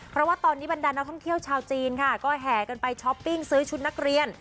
เพราะว่าตอนนี้บรรดานักท่องเที่ยวชาวจีนค่ะก็แห่กันไปช้อปปิ้งซื้อชุดนักเรียน